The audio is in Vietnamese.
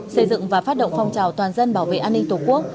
xây dựng và phát động phong trào toàn dân bảo vệ an ninh tổ quốc